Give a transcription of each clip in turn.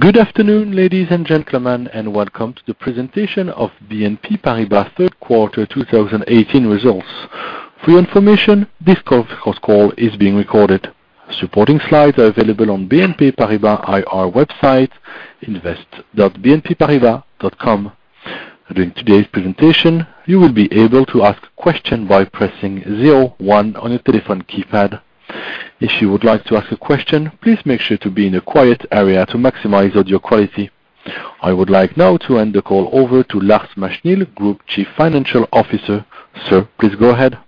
Good afternoon, ladies and gentlemen, and welcome to the presentation of BNP Paribas' third quarter 2018 results. For your information, this conference call is being recorded. Supporting slides are available on BNP Paribas IR website invest.bnpparibas.com. During today's presentation, you will be able to ask questions by pressing zero one on your telephone keypad. If you would like to ask a question, please make sure to be in a quiet area to maximize audio quality. I would like now to hand the call over to Lars Machenil, Group Chief Financial Officer. Sir, please go ahead.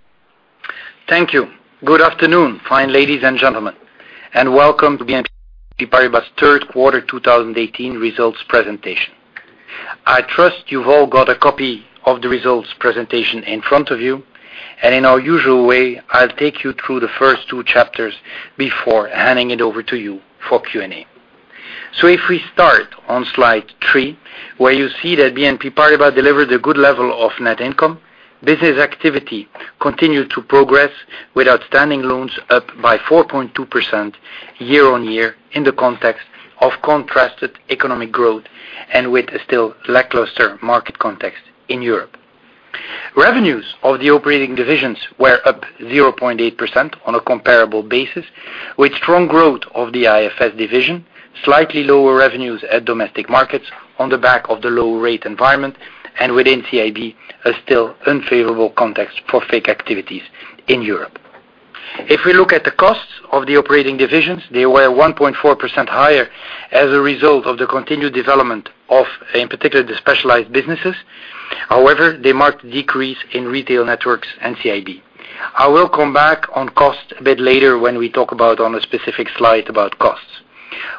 Thank you. Good afternoon, fine ladies and gentlemen, and welcome to BNP Paribas' third quarter 2018 results presentation. I trust you've all got a copy of the results presentation in front of you, and in our usual way, I'll take you through the first two chapters before handing it over to you for Q&A. If we start on slide three, where you see that BNP Paribas delivered a good level of net income. Business activity continued to progress with outstanding loans up by 4.2% year-on-year in the context of contrasted economic growth and with a still lackluster market context in Europe. Revenues of the operating divisions were up 0.8% on a comparable basis with strong growth of the IFS division, slightly lower revenues at Domestic Markets on the back of the low rate environment, and within CIB, a still unfavorable context for FIC activities in Europe. If we look at the costs of the operating divisions, they were 1.4% higher as a result of the continued development of, in particular, the specialized businesses. However, they marked a decrease in retail networks and CIB. I will come back on cost a bit later when we talk about on a specific slide about costs.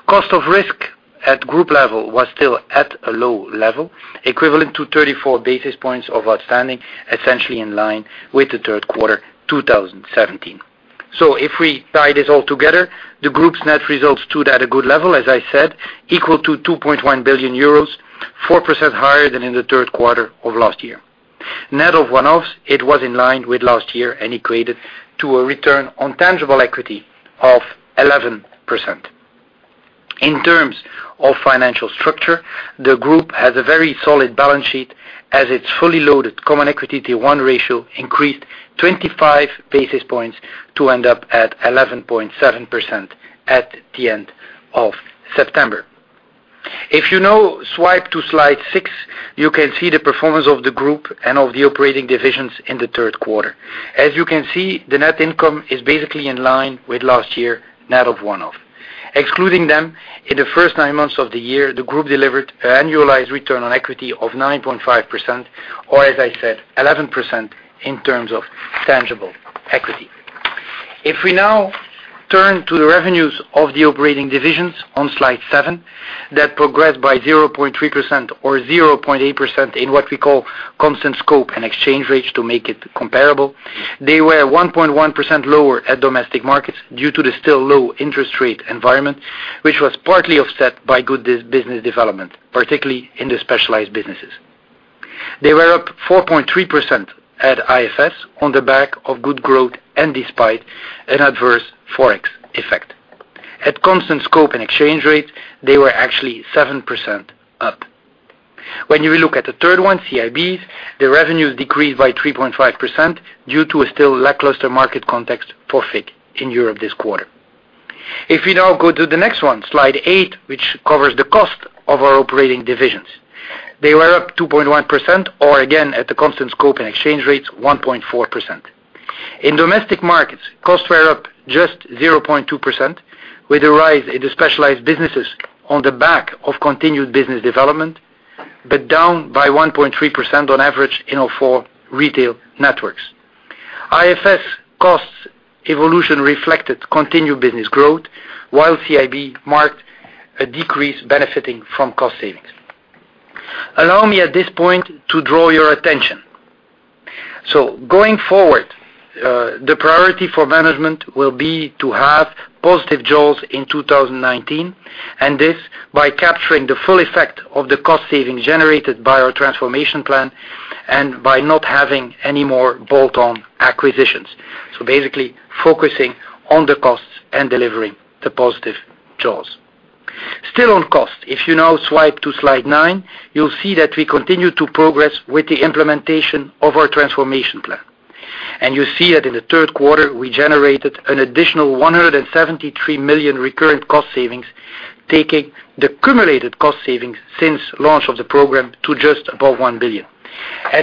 Cost of risk at group level was still at a low level, equivalent to 34 basis points of outstanding, essentially in line with the third quarter 2017. If we tie this all together, the group's net results stood at a good level, as I said, equal to 2.1 billion euros, 4% higher than in the third quarter of last year. Net of one-offs, it was in line with last year and equated to a return on tangible equity of 11%. In terms of financial structure, the group has a very solid balance sheet as its fully loaded Common Equity Tier 1 ratio increased 25 basis points to end up at 11.7% at the end of September. If you now swipe to slide six, you can see the performance of the group and of the operating divisions in the third quarter. As you can see, the net income is basically in line with last year, net of one-off. Excluding them, in the first nine months of the year, the group delivered an annualized return on equity of 9.5%, or as I said, 11% in terms of tangible equity. If we now turn to the revenues of the operating divisions on slide seven, that progressed by 0.3% or 0.8% in what we call constant scope and exchange rates to make it comparable. They were 1.1% lower at Domestic Markets due to the still low interest rate environment, which was partly offset by good business development, particularly in the specialized businesses. They were up 4.3% at IFS on the back of good growth and despite an adverse Forex effect. At constant scope and exchange rates, they were actually 7% up. When you look at the third one, CIBs, the revenues decreased by 3.5% due to a still lackluster market context for FIC in Europe this quarter. If we now go to the next one, slide eight, which covers the cost of our operating divisions. They were up 2.1% or again, at the constant scope and exchange rates, 1.4%. In Domestic Markets, costs were up just 0.2% with a rise in the specialized businesses on the back of continued business development, but down by 1.3% on average in all four retail networks. IFS costs evolution reflected continued business growth, while CIB marked a decrease benefiting from cost savings. Allow me at this point to draw your attention. Going forward, the priority for management will be to have positive jaws in 2019, and this by capturing the full effect of the cost savings generated by our transformation plan and by not having any more bolt-on acquisitions. Basically focusing on the costs and delivering the positive jaws. Still on cost, if you now swipe to slide nine, you'll see that we continue to progress with the implementation of our transformation plan. You see that in the third quarter, we generated an additional 173 million recurrent cost savings, taking the cumulated cost savings since launch of the program to just above 1 billion.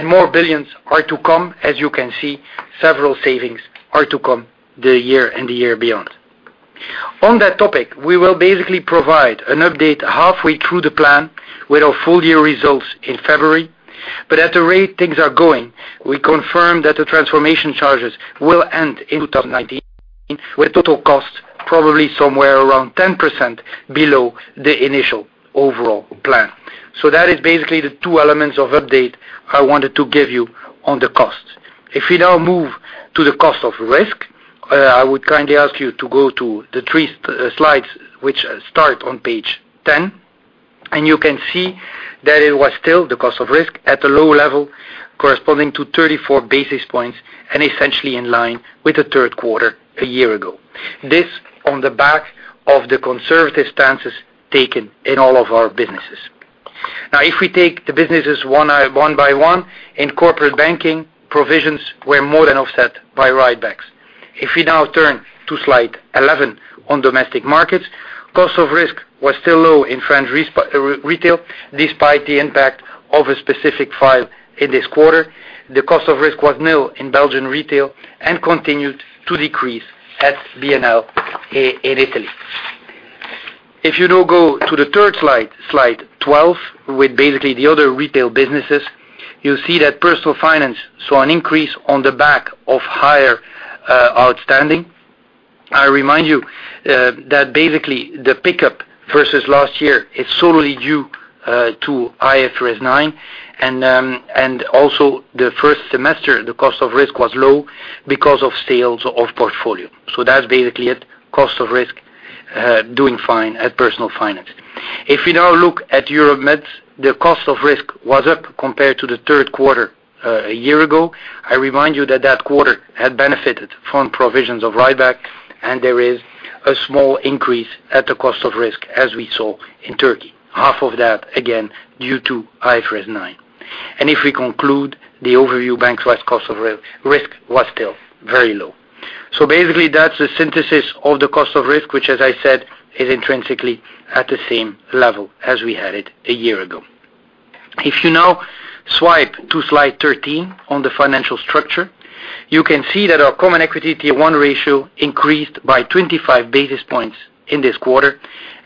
More billions are to come, as you can see, several savings are to come the year and the year beyond. On that topic, we will basically provide an update halfway through the plan with our full-year results in February. At the rate things are going, we confirm that the transformation charges will end in 2019, with total costs probably somewhere around 10% below the initial overall plan. That is basically the two elements of update I wanted to give you on the cost. If we now move to the cost of risk, I would kindly ask you to go to the three slides which start on page 10, and you can see that it was still the cost of risk at a low level corresponding to 34 basis points and essentially in line with the third quarter a year ago. This on the back of the conservative stances taken in all of our businesses. If we take the businesses one by one, in corporate banking, provisions were more than offset by write-backs. If we now turn to slide 11 on Domestic Markets, cost of risk was still low in French retail, despite the impact of a specific file in this quarter. The cost of risk was nil in Belgian retail and continued to decrease at BNL in Italy. If you now go to the third slide 12, with basically the other retail businesses, you'll see that Personal Finance saw an increase on the back of higher outstanding. I remind you that basically the pickup versus last year is solely due to IFRS 9, and also the first semester, the cost of risk was low because of sales of portfolio. That's basically it, cost of risk doing fine at Personal Finance. If we now look at Europe Med, the cost of risk was up compared to the third quarter a year ago. I remind you that that quarter had benefited from provisions of write-back, and there is a small increase at the cost of risk, as we saw in Turkey. Half of that, again, due to IFRS 9. If we conclude the overview bank-wide cost of risk was still very low. That's the synthesis of the cost of risk, which as I said, is intrinsically at the same level as we had it a year ago. If you now swipe to slide 13 on the financial structure, you can see that our common equity Tier 1 ratio increased by 25 basis points in this quarter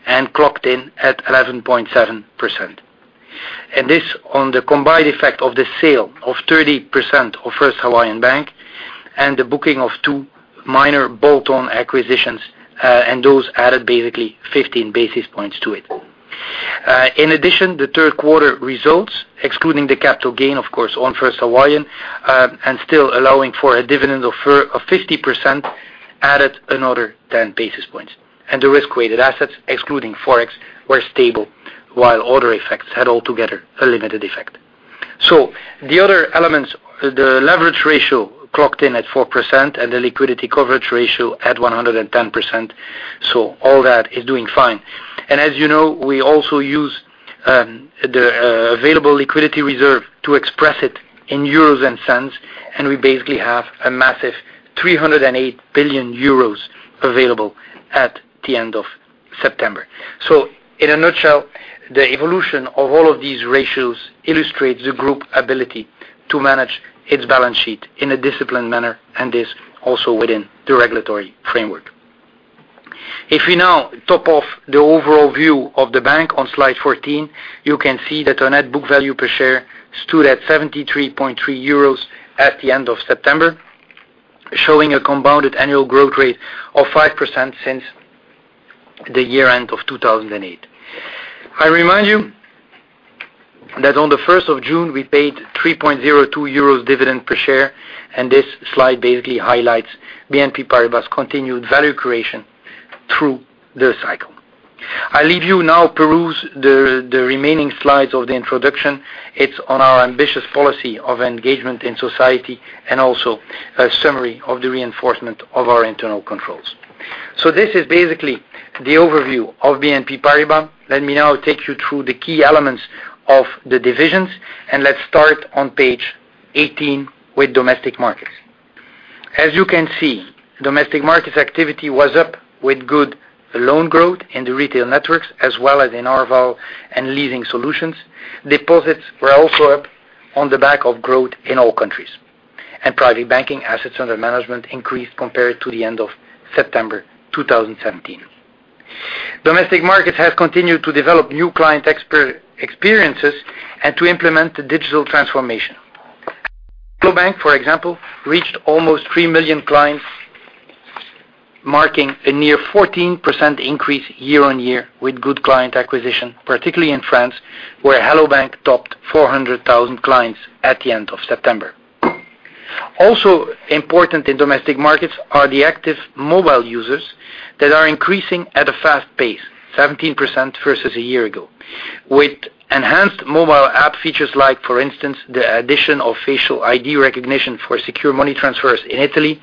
and clocked in at 11.7%. This on the combined effect of the sale of 30% of First Hawaiian Bank and the booking of two minor bolt-on acquisitions, and those added basically 15 basis points to it. In addition, the third quarter results, excluding the capital gain, of course, on First Hawaiian, and still allowing for a dividend offer of 50%, added another 10 basis points. The risk-weighted assets, excluding Forex, were stable, while other effects had altogether a limited effect. The other elements, the leverage ratio clocked in at 4% and the liquidity coverage ratio at 110%. All that is doing fine. As you know, we also use the available liquidity reserve to express it in EUR and cents, and we basically have a massive 308 billion euros available at the end of September. In a nutshell, the evolution of all of these ratios illustrates the group ability to manage its balance sheet in a disciplined manner, and this also within the regulatory framework. If we now top off the overall view of the bank on slide 14, you can see that our net book value per share stood at 73.30 euros at the end of September, showing a compounded annual growth rate of 5% since the year-end of 2008. I remind you that on the 1st of June, we paid 3.02 euros dividend per share, and this slide basically highlights BNP Paribas continued value creation through the cycle. I leave you now peruse the remaining slides of the introduction. It's on our ambitious policy of engagement in society and also a summary of the reinforcement of our internal controls. This is basically the overview of BNP Paribas. Let me now take you through the key elements of the divisions, and let's start on page 18 with Domestic Markets. As you can see, Domestic Markets activity was up with good loan growth in the retail networks as well as in Arval and leasing solutions. Deposits were also up on the back of growth in all countries. Private banking assets under management increased compared to the end of September 2017. Domestic Markets has continued to develop new client experiences and to implement the digital transformation. Hello bank!, for example, reached almost three million clients, marking a near 14% increase year-on-year with good client acquisition, particularly in France, where Hello bank! topped 400,000 clients at the end of September. Also important in Domestic Markets are the active mobile users that are increasing at a fast pace, 17% versus a year ago. With enhanced mobile app features like, for instance, the addition of facial ID recognition for secure money transfers in Italy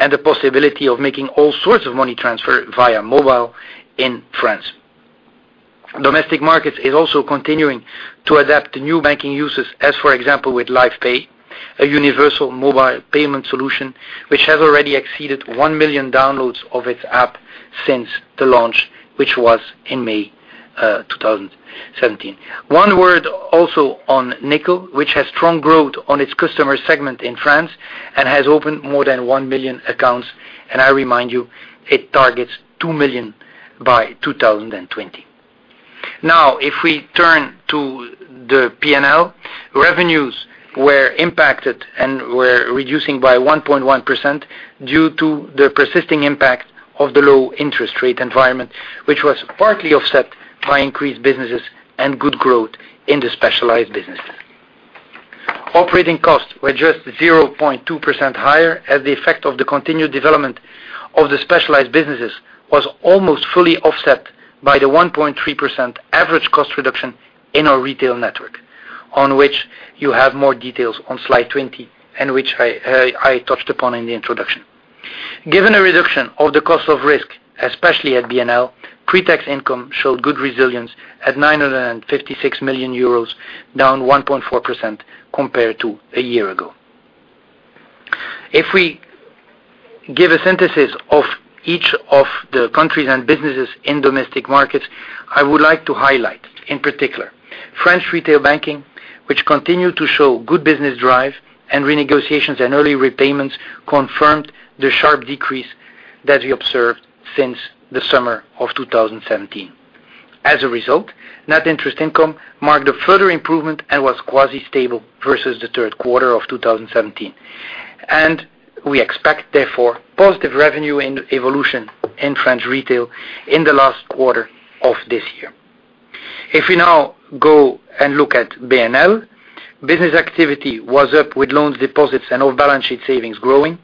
and the possibility of making all sorts of money transfer via mobile in France. Domestic Markets is also continuing to adapt to new banking uses, as for example, with Lyf Pay, a universal mobile payment solution, which has already exceeded 1 million downloads of its app since the launch, which was in May 2017. One word also on Nickel, which has strong growth on its customer segment in France and has opened more than 1 million accounts, and I remind you, it targets 2 million by 2020. If we turn to the P&L, revenues were impacted and were reducing by 1.1% due to the persisting impact of the low interest rate environment, which was partly offset by increased businesses and good growth in the specialized businesses. Operating costs were just 0.2% higher as the effect of the continued development of the specialized businesses was almost fully offset by the 1.3% average cost reduction in our retail network, on which you have more details on slide 20, and which I touched upon in the introduction. Given a reduction of the cost of risk, especially at BNL, pre-tax income showed good resilience at 956 million euros, down 1.4% compared to a year ago. If we give a synthesis of each of the countries and businesses in Domestic Markets, I would like to highlight, in particular, French retail banking, which continued to show good business drive. Renegotiations and early repayments confirmed the sharp decrease that we observed since the summer of 2017. Net interest income marked a further improvement and was quasi-stable versus the third quarter of 2017. We expect, therefore, positive revenue evolution in French retail in the last quarter of this year. If we now go and look at BNL, business activity was up with loans, deposits, and off-balance-sheet savings growing.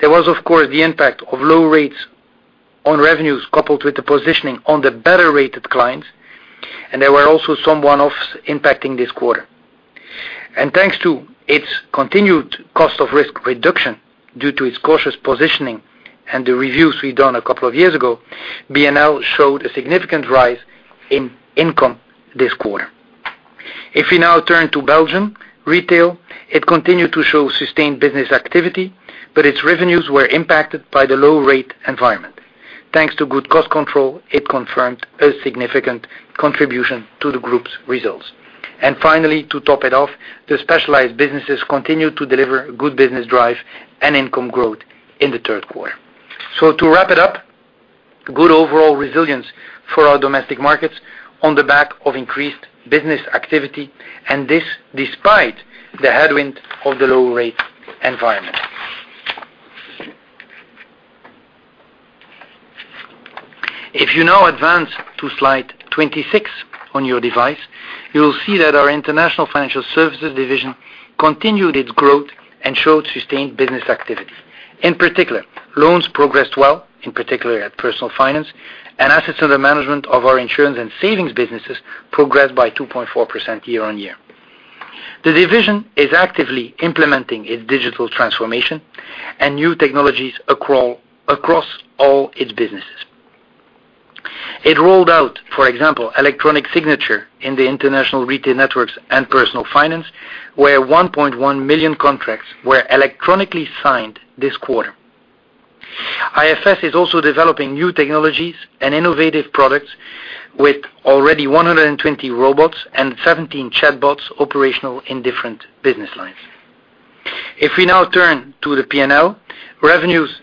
There was, of course, the impact of low rates on revenues coupled with the positioning on the better-rated clients, and there were also some one-offs impacting this quarter. Thanks to its continued cost of risk reduction due to its cautious positioning and the reviews we'd done a couple of years ago, BNL showed a significant rise in income this quarter. If we now turn to Belgium Retail, it continued to show sustained business activity, but its revenues were impacted by the low rate environment. Thanks to good cost control, it confirmed a significant contribution to the group's results. Finally, to top it off, the specialized businesses continued to deliver good business drive and income growth in the third quarter. To wrap it up, good overall resilience for our Domestic Markets on the back of increased business activity, and this despite the headwind of the low rate environment. If you now advance to slide 26 on your device, you will see that our International Financial Services division continued its growth and showed sustained business activity. In particular, loans progressed well, in particular at Personal Finance, and assets under management of our insurance and savings businesses progressed by 2.4% year-on-year. The division is actively implementing its digital transformation and new technologies across all its businesses. It rolled out, for example, electronic signature in the international retail networks and Personal Finance, where 1.1 million contracts were electronically signed this quarter. IFS is also developing new technologies and innovative products with already 120 robots and 17 chatbots operational in different business lines. Revenues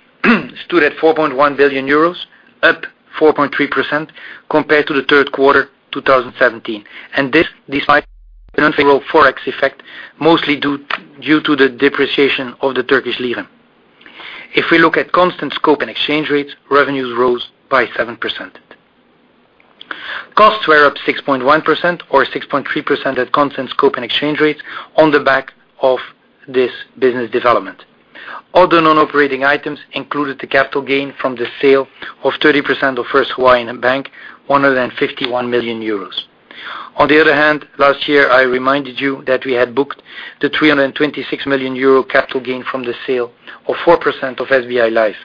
stood at 4.1 billion euros, up 4.3% compared to the third quarter 2017. This despite unfavorable ForEx effect, mostly due to the depreciation of the Turkish lira. If we look at constant scope and exchange rates, revenues rose by 7%. Costs were up 6.1% or 6.3% at constant scope and exchange rates on the back of this business development. Other non-operating items included the capital gain from the sale of 30% of First Hawaiian Bank, 151 million euros. On the other hand, last year, I reminded you that we had booked the 326 million euro capital gain from the sale of 4% of SBI Life.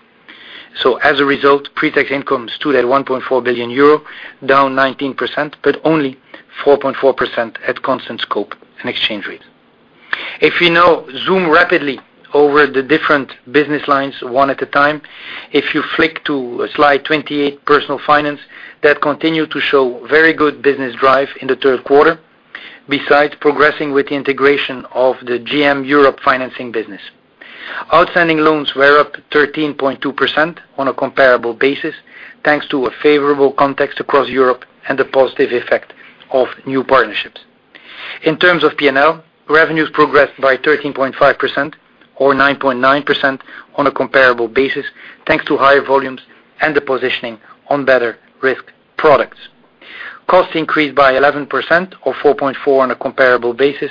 As a result, pre-tax income stood at 1.4 billion euro, down 19%, but only 4.4% at constant scope and exchange rates. If we now zoom rapidly over the different business lines one at a time, if you flick to slide 28, Personal Finance, that continued to show very good business drive in the third quarter, besides progressing with the integration of the GM Europe financing business. Outstanding loans were up 13.2% on a comparable basis, thanks to a favorable context across Europe and the positive effect of new partnerships. In terms of P&L, revenues progressed by 13.5% or 9.9% on a comparable basis, thanks to higher volumes and the positioning on better-risked products. Costs increased by 11% or 4.4% on a comparable basis,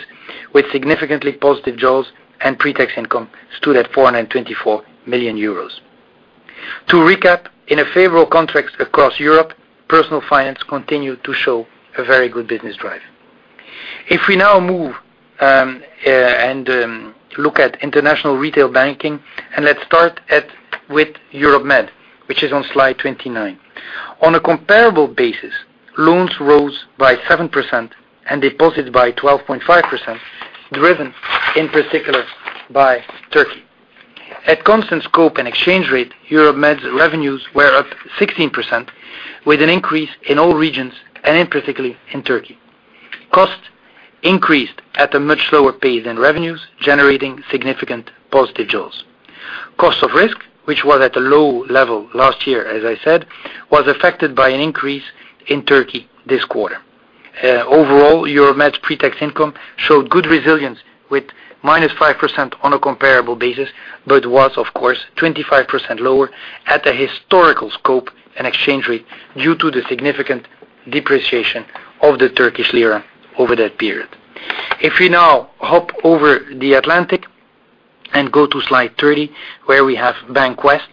with significantly positive jaws, and pre-tax income stood at 424 million euros. To recap, in a favorable context across Europe, Personal Finance continued to show a very good business drive. If we now move and look at International Retail Banking, and let's start with Europe Med, which is on slide 29. On a comparable basis, loans rose by 7% and deposits by 12.5%, driven in particular by Turkey. At constant scope and exchange rate, Europe Med's revenues were up 16%, with an increase in all regions and in particularly in Turkey. Costs increased at a much slower pace than revenues, generating significant positive jaws. Cost of risk, which was at a low level last year, as I said, was affected by an increase in Turkey this quarter. Overall, Europe Med's pre-tax income showed good resilience with -5% on a comparable basis, but was of course 25% lower at the historical scope and exchange rate due to the significant depreciation of the Turkish lira over that period. If we now hop over the Atlantic and go to slide 30, where we have BancWest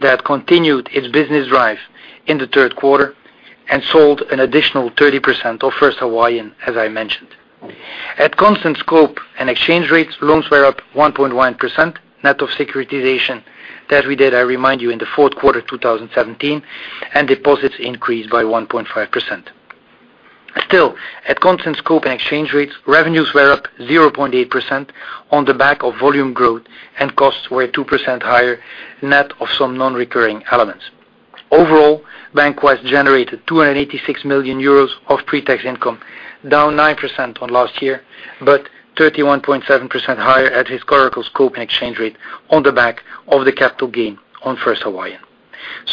that continued its business drive in the third quarter and sold an additional 30% of First Hawaiian, as I mentioned. At constant scope and exchange rates, loans were up 1.1% net of securitization that we did, I remind you, in the fourth quarter of 2017, and deposits increased by 1.5%. Still, at constant scope and exchange rates, revenues were up 0.8% on the back of volume growth, and costs were 2% higher net of some non-recurring elements. Overall, BancWest generated 286 million euros of pre-tax income, down 9% on last year, but 31.7% higher at historical scope and exchange rate on the back of the capital gain on First Hawaiian.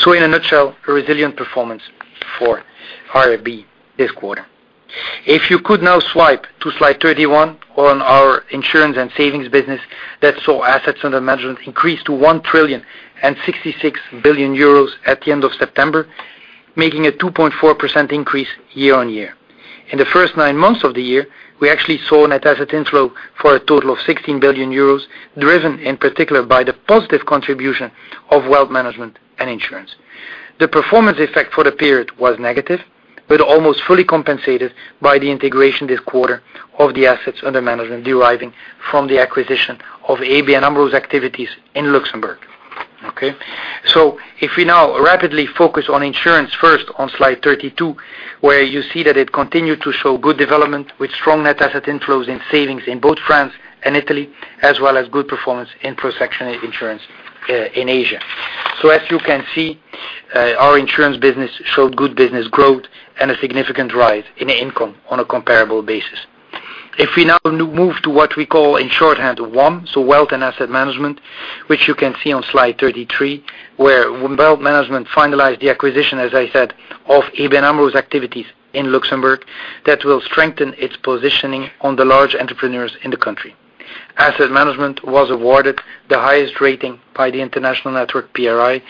In a nutshell, a resilient performance for IRB this quarter. If you could now swipe to Slide 31 on our insurance and savings business that saw assets under management increase to 1.066 trillion at the end of September, making a 2.4% increase year-on-year. In the first nine months of the year, we actually saw net asset inflow for a total of 16 billion euros, driven in particular by the positive contribution of wealth management and insurance. The performance effect for the period was negative, but almost fully compensated by the integration this quarter of the assets under management deriving from the acquisition of ABN AMRO's activities in Luxembourg. If we now rapidly focus on insurance first on Slide 32, where you see that it continued to show good development with strong net asset inflows in savings in both France and Italy, as well as good performance in protection and insurance in Asia. As you can see, our insurance business showed good business growth and a significant rise in income on a comparable basis. If we now move to what we call in shorthand, WAM, Wealth and Asset Management, which you can see on Slide 33, where Wealth Management finalized the acquisition, as I said, of ABN AMRO's activities in Luxembourg that will strengthen its positioning on the large entrepreneurs in the country. Asset Management was awarded the highest rating by the international network, PRI,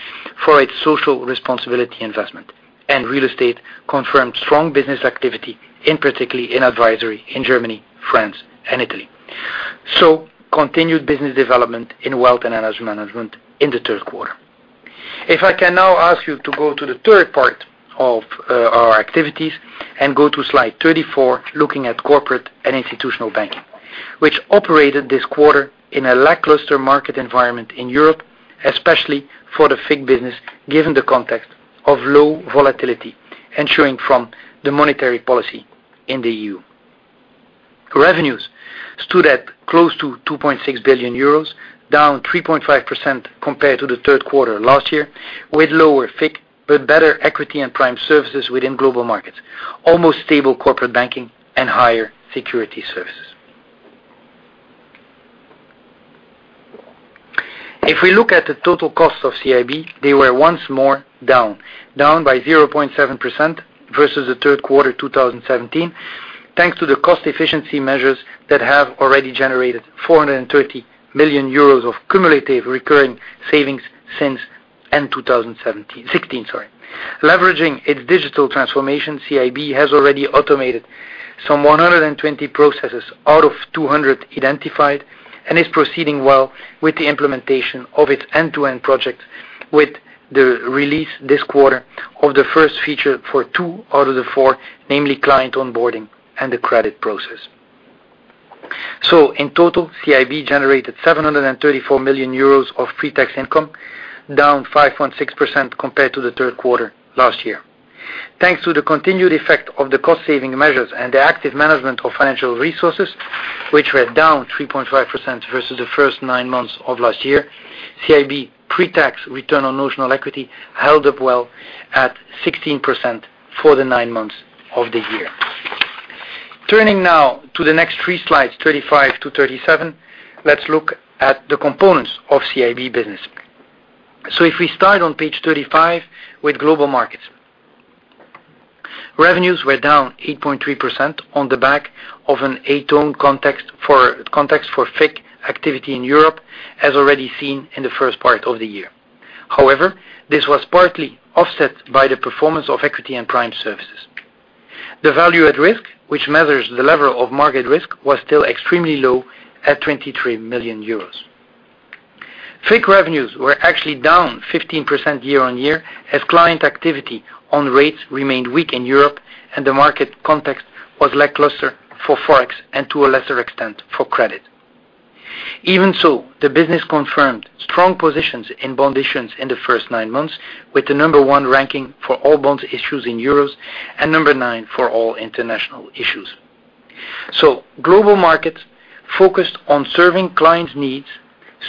for its social responsibility investment, and real estate confirmed strong business activity, in particular in advisory in Germany, France, and Italy. Continued business development in wealth and asset management in the third quarter. If I can now ask you to go to the third part of our activities and go to Slide 34, looking at corporate and institutional banking, which operated this quarter in a lackluster market environment in Europe, especially for the FIC business, given the context of low volatility ensuring from the monetary policy in the EU. Revenues stood at close to 2.6 billion euros, down 3.5% compared to the third quarter last year, with lower FIC but better equity and prime services within global markets, almost stable corporate banking and higher Securities Services. If we look at the total cost of CIB, they were once more down. Down by 0.7% versus the third quarter 2017, thanks to the cost-efficiency measures that have already generated 430 million euros of cumulative recurring savings since end 2016. Leveraging its digital transformation, CIB has already automated some 120 processes out of 200 identified and is proceeding well with the implementation of its end-to-end project with the release this quarter of the first feature for two out of the four, namely client onboarding and the credit process. In total, CIB generated 734 million euros of pre-tax income, down 5.6% compared to the third quarter last year. Thanks to the continued effect of the cost-saving measures and the active management of financial resources, which were down 3.5% versus the first nine months of last year, CIB pre-tax return on notional equity held up well at 16% for the nine months of the year. Turning now to the next three slides, 35-37, let's look at the components of CIB business. If we start on page 35 with global markets. Revenues were down 8.3% on the back of an adverse context for FIC activity in Europe, as already seen in the first part of the year. However, this was partly offset by the performance of equity and prime services. The value at risk, which measures the level of market risk, was still extremely low at 23 million euros. FIC revenues were actually down 15% year-over-year as client activity on rates remained weak in Europe and the market context was lackluster for Forex and to a lesser extent for credit. Even so, the business confirmed strong positions in bond issues in the first nine months with the number 1 ranking for all bonds issues in EUR and number 9 for all international issues. Global markets focused on serving clients' needs,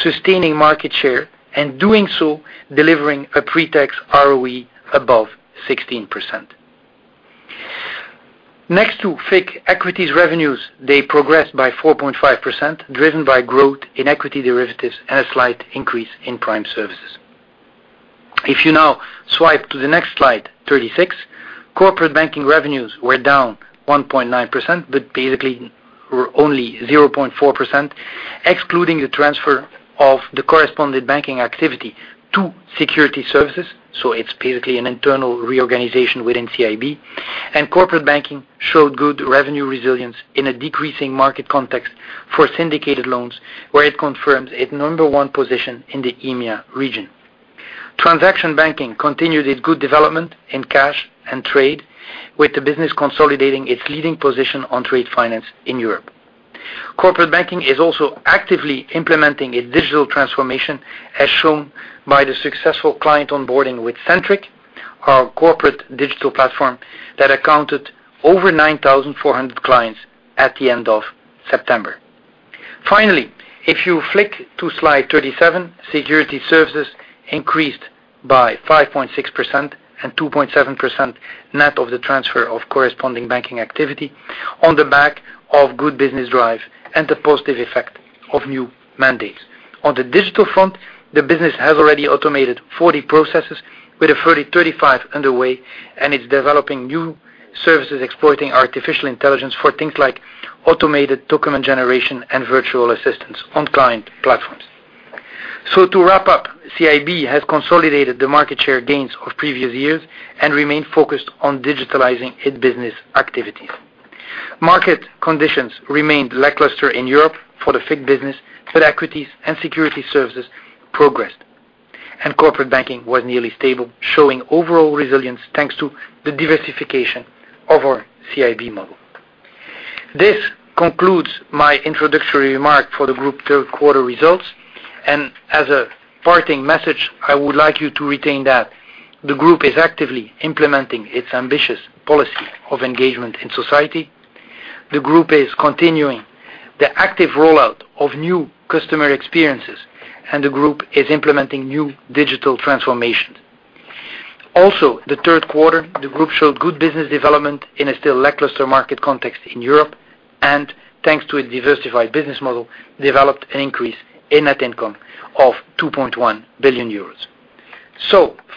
sustaining market share, and doing so, delivering a pre-tax ROE above 16%. Next to FIC equities revenues, they progressed by 4.5%, driven by growth in equity derivatives and a slight increase in prime services. If you now swipe to the next slide 36, corporate banking revenues were down 1.9%, but basically were only 0.4% excluding the transfer of the corresponding banking activity to Securities Services, it's basically an internal reorganization within CIB, and corporate banking showed good revenue resilience in a decreasing market context for syndicated loans, where it confirms its number 1 position in the EMEA region. Transaction banking continued its good development in cash and trade, with the business consolidating its leading position on trade finance in Europe. Corporate banking is also actively implementing a digital transformation, as shown by the successful client onboarding with Centric, our corporate digital platform that accounted over 9,400 clients at the end of September. Finally, if you flick to slide 37, Securities Services increased by 5.6% and 2.7% net of the transfer of corresponding banking activity on the back of good business drive and the positive effect of new mandates. On the digital front, the business has already automated 40 processes with a further 35 underway, and it's developing new services exploiting artificial intelligence for things like automated document generation and virtual assistants on client platforms. To wrap up, CIB has consolidated the market share gains of previous years and remained focused on digitalizing its business activities. Market conditions remained lackluster in Europe for the FICC business, but equities and Securities Services progressed. Corporate banking was nearly stable, showing overall resilience thanks to the diversification of our CIB model. This concludes my introductory remark for the group third quarter results, and as a parting message, I would like you to retain that the group is actively implementing its ambitious policy of engagement in society. The group is continuing the active rollout of new customer experiences, and the group is implementing new digital transformations. The third quarter, the group showed good business development in a still lackluster market context in Europe, and thanks to its diversified business model, developed an increase in net income of 2.1 billion euros.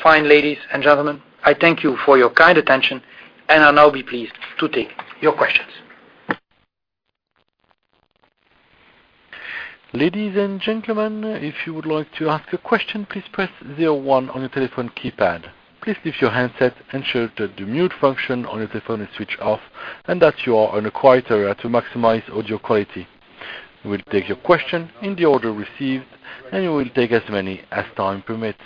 Fine, ladies and gentlemen, I thank you for your kind attention and I'll now be pleased to take your questions. Ladies and gentlemen, if you would like to ask a question, please press 01 on your telephone keypad. Please lift your handset, ensure that the mute function on your telephone is switched off, and that you are in a quiet area to maximize audio quality. We will take your question in the order received, and we will take as many as time permits.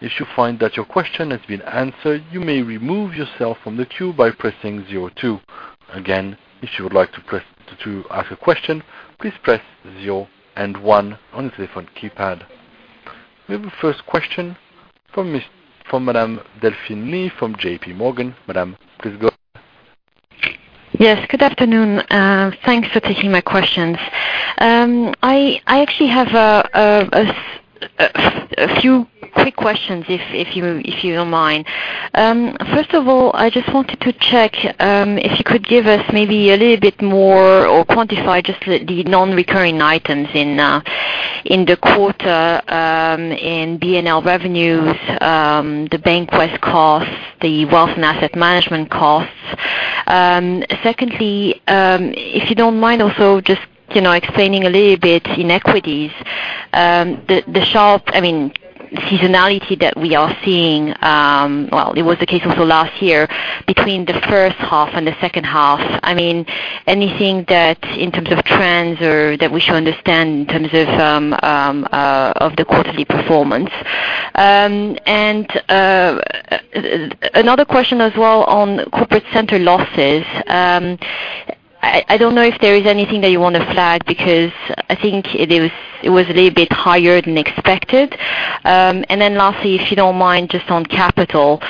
If you find that your question has been answered, you may remove yourself from the queue by pressing 02. Again, if you would like to ask a question, please press 01 on your telephone keypad. We have a first question from Madame Delphine Lee from J.P. Morgan. Madame, please go ahead. Yes, good afternoon. Thanks for taking my questions. I actually have a few quick questions, if you don't mind. First of all, I just wanted to check if you could give us maybe a little bit more or quantify just the non-recurring items in the quarter in BNL revenues, the BancWest costs, the wealth and asset management costs. Secondly, if you don't mind also just explaining a little bit in equities, the sharp seasonality that we are seeing, well, it was the case also last year between the first half and the second half. Anything that in terms of trends or that we should understand in terms of the quarterly performance? Another question as well on corporate center losses. I don't know if there is anything that you want to flag because I think it was a little bit higher than expected. Lastly, if you don't mind, just on capital,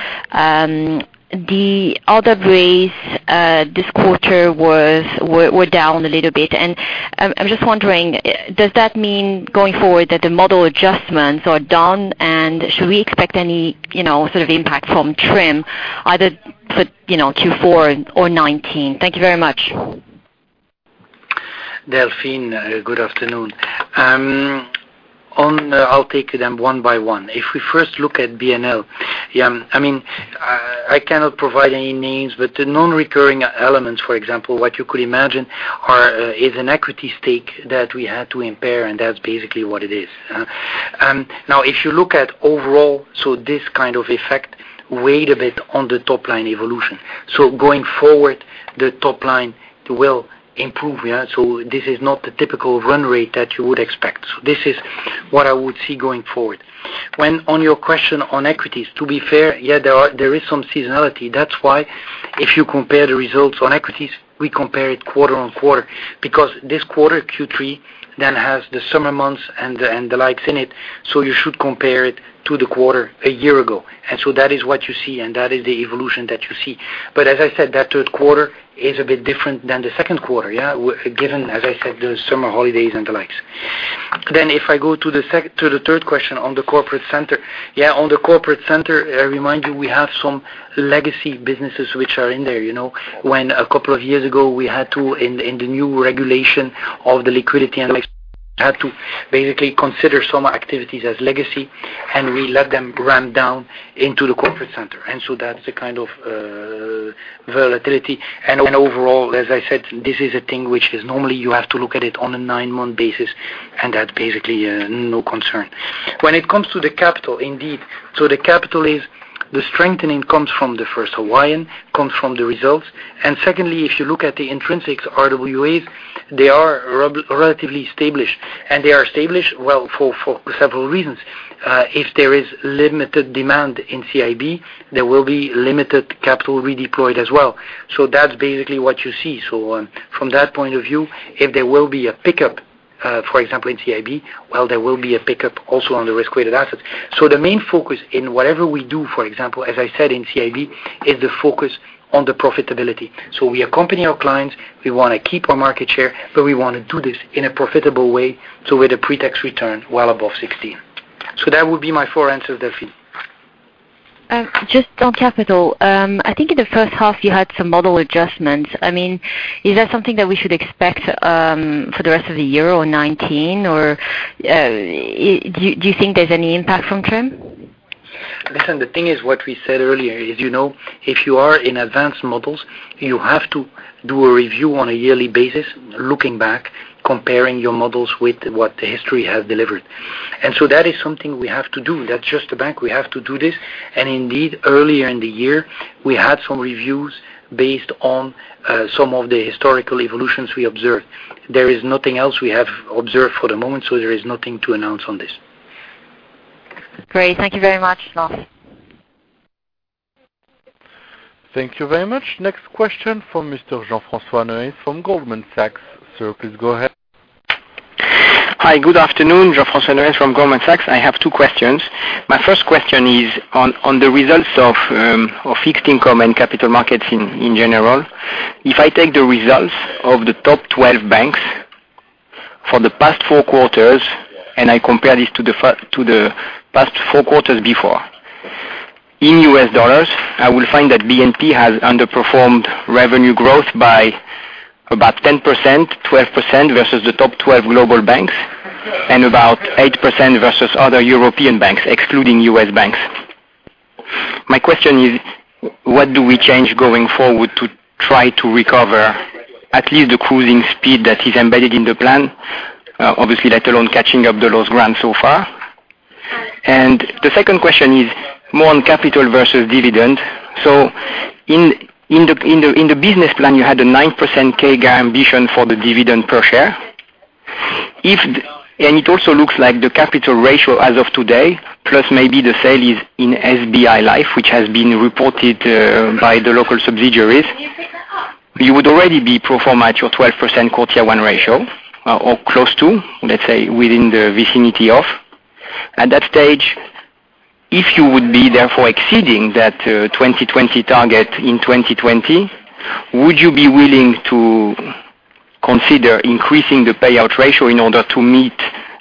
the other base this quarter were down a little bit. I'm just wondering, does that mean going forward that the model adjustments are done? Should we expect any sort of impact from TRIM either for Q4 or 2019? Thank you very much. Delphine, good afternoon. I will take them one by one. If we first look at BNL, I cannot provide any names, but the non-recurring elements, for example, what you could imagine is an equity stake that we had to impair, and that's basically what it is. If you look at overall, this kind of effect weighed a bit on the top-line evolution. Going forward, the top line will improve. This is not the typical run rate that you would expect. This is what I would see going forward. On your question on equities, to be fair, yeah, there is some seasonality. That's why if you compare the results on equities, we compare it quarter-on-quarter because this quarter, Q3, then has the summer months and the likes in it, so you should compare it to the quarter a year ago. That is what you see, and that is the evolution that you see. As I said, that third quarter is a bit different than the second quarter, given, as I said, the summer holidays and the likes. If I go to the third question on the corporate center. On the corporate center, I remind you, we have some legacy businesses which are in there. A couple of years ago, we had to, in the new regulation of the liquidity, and had to basically consider some activities as legacy, and we let them ramp down into the corporate center. That's the kind of volatility and overall. As I said, this is a thing which is normally you have to look at it on a nine-month basis, and that's basically no concern. It comes to the capital, indeed. The capital is the strengthening comes from the First Hawaiian, comes from the results. Secondly, if you look at the intrinsics RWAs, they are relatively established. They are established, well, for several reasons. If there is limited demand in CIB, there will be limited capital redeployed as well. That's basically what you see. From that point of view, if there will be a pickup, for example, in CIB, well, there will be a pickup also on the risk-weighted assets. The main focus in whatever we do, for example, as I said, in CIB, is the focus on the profitability. We accompany our clients, we want to keep our market share, but we want to do this in a profitable way, so with a pre-tax return well above 16. That would be my four answers, Delphine. Just on capital. I think in the first half you had some model adjustments. Is that something that we should expect for the rest of the year or 2019, or do you think there's any impact from TRIM? Listen, the thing is what we said earlier is, if you are in advanced models, you have to do a review on a yearly basis, looking back, comparing your models with what the history has delivered. That is something we have to do. That's just a bank. We have to do this. Indeed, earlier in the year, we had some reviews based on some of the historical evolutions we observed. There is nothing else we have observed for the moment, so there is nothing to announce on this. Great. Thank you very much, Lars. Thank you very much. Next question from Mr. Jean-Francois Nores from Goldman Sachs. Sir, please go ahead. Hi, good afternoon. Jean-Francois Nores from Goldman Sachs. I have two questions. My first question is on the results of fixed income and capital markets in general. If I take the results of the top 12 banks for the past four quarters, I compare this to the past four quarters before, in U.S. dollars, I will find that BNP has underperformed revenue growth by about 10%, 12% versus the top 12 global banks, and about 8% versus other European banks, excluding U.S. banks. My question is, what do we change going forward to try to recover at least the cruising speed that is embedded in the plan, obviously let alone catching up the lost ground so far? The second question is more on capital versus dividend. In the business plan, you had a 9% CAGR ambition for the dividend per share. It also looks like the capital ratio as of today, plus maybe the sale is in SBI Life, which has been reported by the local subsidiaries. You would already be pro forma at your 12% Core Tier 1 ratio or close to, let's say, within the vicinity of. At that stage, if you would be therefore exceeding that 2020 target in 2020, would you be willing to consider increasing the payout ratio in order to meet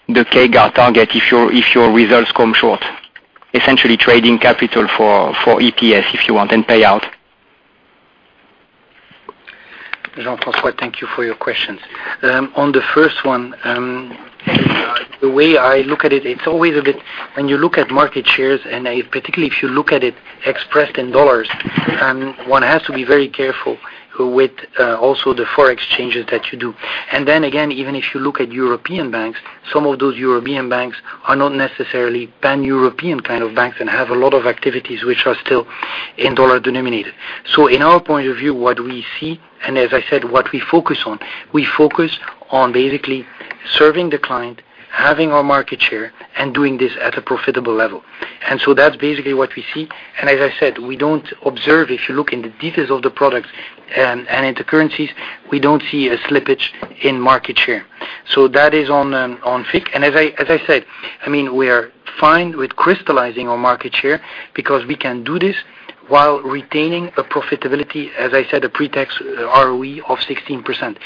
the CAGR target if your results come short? Essentially trading capital for EPS, if you want, and payout. Jean-Francois, thank you for your questions. On the first one, the way I look at it, when you look at market shares, and particularly if you look at it expressed in USD, one has to be very careful with also the foreign exchanges that you do. Then again, even if you look at European banks, some of those European banks are not necessarily pan-European kind of banks and have a lot of activities which are still in dollar-denominated. In our point of view, what we see, and as I said, what we focus on, we focus on basically serving the client, having our market share, and doing this at a profitable level. That's basically what we see. As I said, we don't observe if you look in the details of the products and in the currencies, we don't see a slippage in market share. That is on FIC. As I said, we are fine with crystallizing our market share because we can do this while retaining a profitability, as I said, a pre-tax ROE of 16%.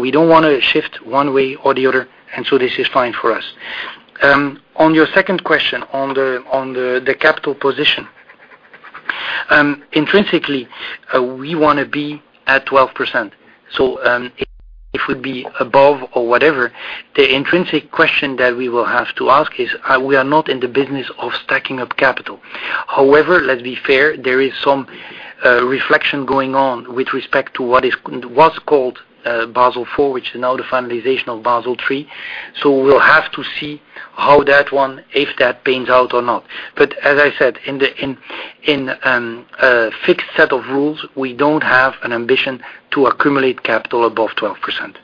We don't want to shift one way or the other, this is fine for us. On your second question on the capital position. Intrinsically, we want to be at 12%. If we'd be above or whatever, the intrinsic question that we will have to ask is, we are not in the business of stacking up capital. However, let's be fair, there is some reflection going on with respect to what was called Basel IV, which is now the finalization of Basel III. We'll have to see how that one, if that pans out or not. As I said, in a fixed set of rules, we don't have an ambition to accumulate capital above 12%.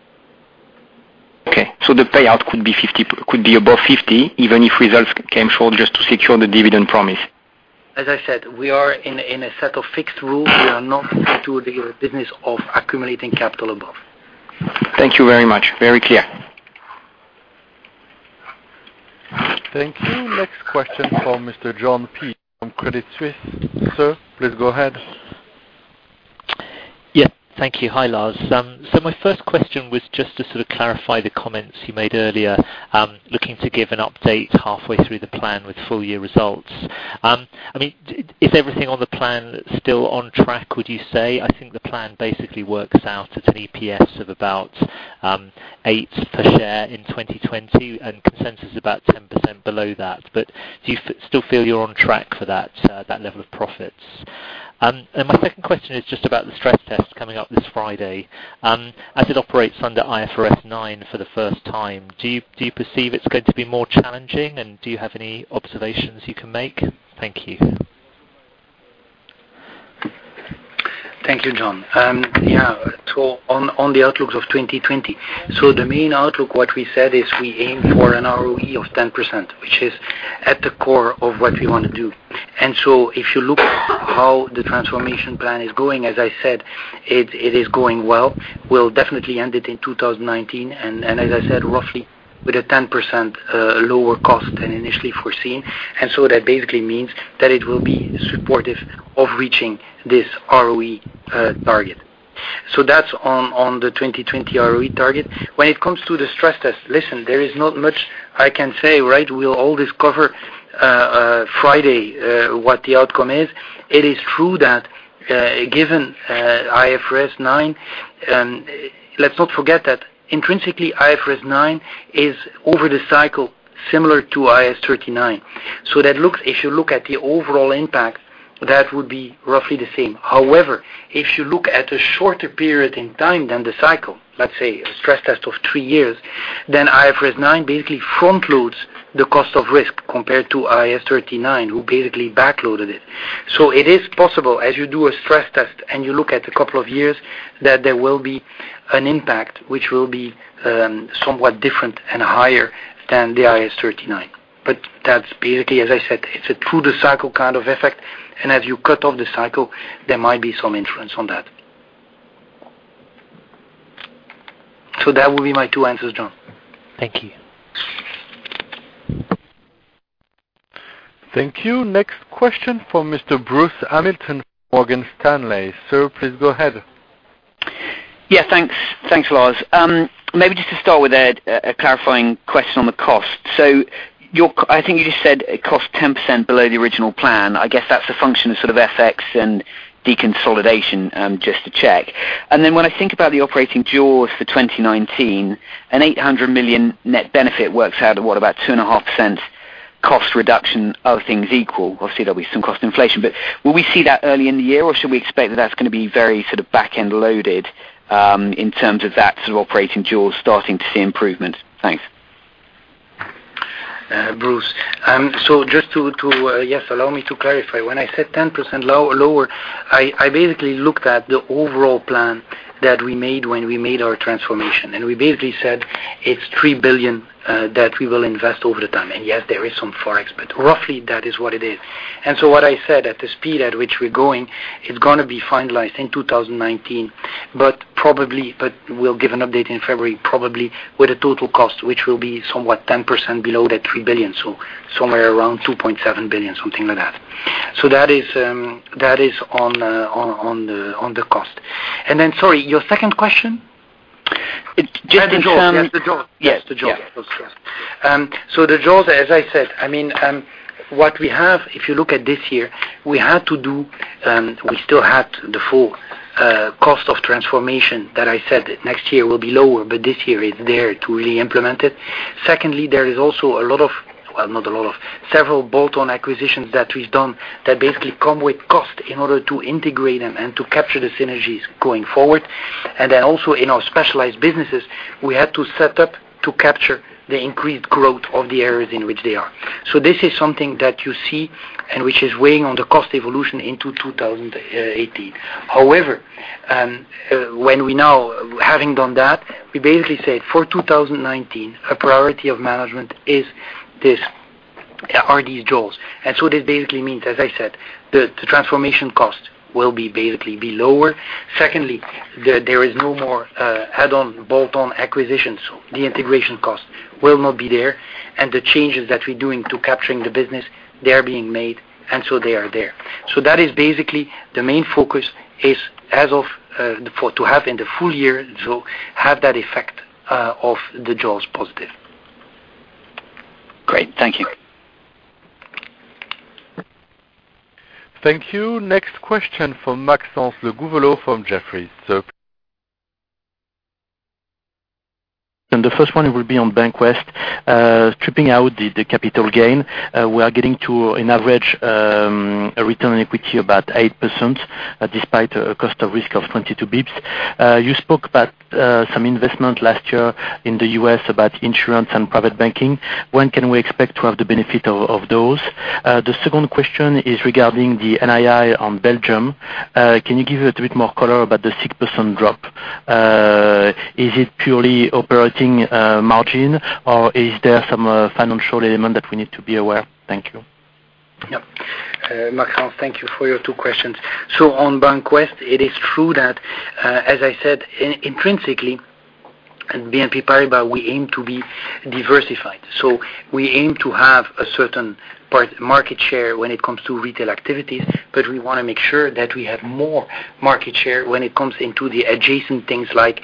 Okay. The payout could be above 50%, even if results came short just to secure the dividend promise. As I said, we are in a set of fixed rules. We are not into the business of accumulating capital above. Thank you very much. Very clear. Thank you. Next question from Mr. Jon Peace from Credit Suisse. Sir, please go ahead. Thank you. Hi, Lars. My first question was just to sort of clarify the comments you made earlier. Looking to give an update halfway through the plan with full-year results. Is everything on the plan still on track, would you say? I think the plan basically works out at an EPS of about eight per share in 2020, and consensus about 10% below that. Do you still feel you're on track for that level of profits? My second question is just about the stress test coming up this Friday. As it operates under IFRS 9 for the first time, do you perceive it's going to be more challenging, and do you have any observations you can make? Thank you. Thank you, Jon. On the outlooks of 2020, the main outlook, what we said is we aim for an ROE of 10%, which is at the core of what we want to do. If you look how the transformation plan is going, as I said, it is going well. We'll definitely end it in 2019, and as I said, roughly with a 10% lower cost than initially foreseen. That basically means that it will be supportive of reaching this ROE target. That's on the 2020 ROE target. When it comes to the stress test, listen, there is not much I can say, right? We'll all discover Friday what the outcome is. It is true that given IFRS 9, let's not forget that intrinsically IFRS 9 is over the cycle similar to IAS 39. If you look at the overall impact, that would be roughly the same. However, if you look at a shorter period in time than the cycle, let's say a stress test of three years, then IFRS 9 basically front-loads the cost of risk compared to IAS 39, who basically back-loaded it. It is possible, as you do a stress test and you look at a couple of years, that there will be an impact, which will be somewhat different and higher than the IAS 39. That's basically, as I said, it's a through the cycle kind of effect, and as you cut off the cycle, there might be some influence on that. That would be my two answers, Jon. Thank you. Thank you. Next question from Mr. Bruce Hamilton from Morgan Stanley. Sir, please go ahead. Thanks, Lars. Maybe just to start with a clarifying question on the cost. I think you just said a cost 10% below the original plan. I guess that's a function of sort of FX and deconsolidation, just to check. When I think about the operating jaws for 2019, an 800 million net benefit works out to what, about 0.025 cost reduction all things equal. Obviously, there'll be some cost inflation. Will we see that early in the year, or should we expect that that's going to be very sort of back-end loaded, in terms of that sort of operating jaws starting to see improvement? Thanks. Bruce. Just to allow me to clarify. When I said 10% lower, I basically looked at the overall plan that we made when we made our transformation, we basically said it's 3 billion that we will invest over the time. Yes, there is some Forex, but roughly that is what it is. What I said, at the speed at which we're going, it's going to be finalized in 2019, but we'll give an update in February, probably with a total cost, which will be somewhat 10% below that 3 billion, so somewhere around 2.7 billion, something like that. That is on the cost. Sorry, your second question? Just in terms- The jaws. Yes. The jaws. Yes. The jaws, as I said, what we have, if you look at this year, we still had the full cost of transformation that I said next year will be lower, but this year it's there to really implement it. There is also several bolt-on acquisitions that we've done that basically come with cost in order to integrate them and to capture the synergies going forward. Also in our specialized businesses, we had to set up to capture the increased growth of the areas in which they are. This is something that you see and which is weighing on the cost evolution into 2018. However, when we now having done that, we basically said for 2019, a priority of management are these jaws. This basically means, as I said, the transformation cost will be basically be lower. There is no more add-on, bolt-on acquisition. The integration cost will not be there, and the changes that we're doing to capturing the business, they are being made. They are there. That is basically the main focus is to have in the full year, to have that effect of the jaws positive. Great. Thank you. Thank you. Next question from Maxence Le Gouvello from Jefferies. The first one will be on BancWest Corporation. Stripping out the capital gain, we are getting to an average return on equity about 8%, despite a cost of risk of 22 basis points. You spoke about some investment last year in the U.S. about insurance and private banking. When can we expect to have the benefit of those? The second question is regarding the NII on Belgium. Can you give a bit more color about the 6% drop? Is it purely operating margin, or is there some financial element that we need to be aware? Thank you. Yep. Maxence, thank you for your two questions. On BancWest Corporation, it is true that as I said, intrinsically at BNP Paribas, we aim to be diversified. We aim to have a certain market share when it comes to retail activities, but we want to make sure that we have more market share when it comes into the adjacent things like